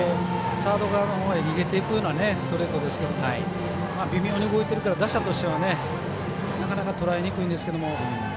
サード側のほうに逃げていくようなストレートですけども微妙に動いているから打者としては、なかなかとらえにくいんですが。